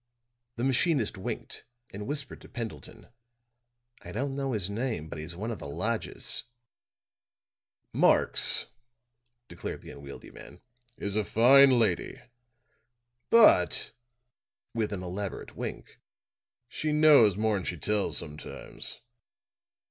The machinist winked and whispered to Pendleton: "I don't know his name, but he's one of the lodgers." "Marx," declared the unwieldy man, "is a fine lady. But," with an elaborate wink, "she knows more'n she tells sometimes."